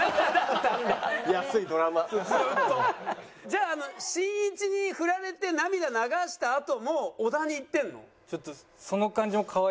じゃあしんいちにフラれて涙流したあとも小田にいってるの？